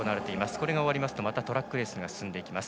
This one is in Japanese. これが終わりますとまたトラックレースが進んでいきます。